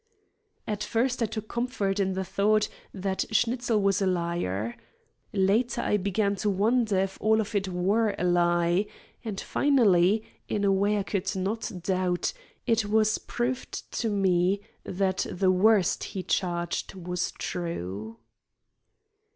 At first I took comfort in the thought that Schnitzel was a liar. Later, I began to wonder if all of it were a lie, and finally, in a way I could not doubt, it was proved to me that the worst he charged was true.